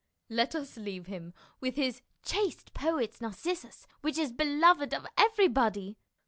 Let us leave him with his " chaste Poet's Nar cissus, which is beloved of everybody.